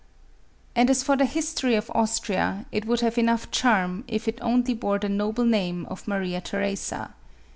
And as for the history of Austria, it would have enough charm, if it only bore the noble name of Maria Theresa.